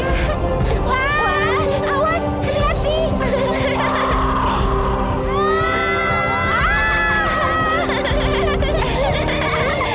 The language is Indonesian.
lakukan pada waktu ini kembali mengajar suaranya chi yier